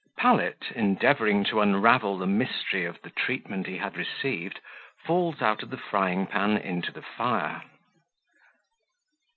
Pallet endeavouring to unravel the Mystery of the Treatment he had received, falls out of the Frying pan into the Fire.